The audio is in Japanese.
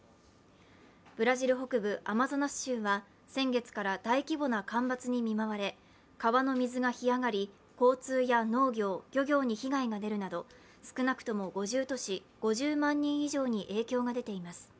ブラジル北部・アマゾナス州は先月から大規模な干ばつに見舞われ、川の水が干上がり、交通や農業、漁業に被害が出るなど少なくとも５０都市、５０万人以上に影響が出ています。